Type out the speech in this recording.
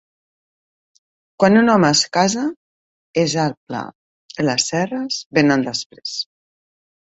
Quan un home es casa, és el pla; les serres vénen després.